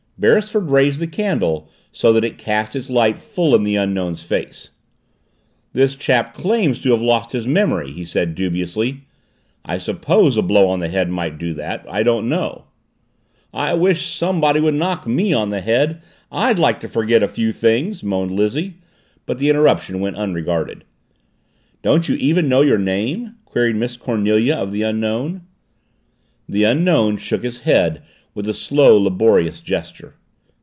Beresford raised the candle so that it cast its light full in the Unknown's face. "This chap claims to have lost his memory," he said dubiously. "I suppose a blow on the head might do that, I don't know." "I wish somebody would knock me on the head! I'd like to forget a few things!" moaned Lizzie, but the interruption went unregarded. "Don't you even know your name?" queried Miss Cornelia of the Unknown. The Unknown shook his head with a slow, laborious gesture.